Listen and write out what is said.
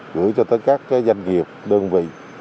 gửi cho các doanh nghiệp đơn vị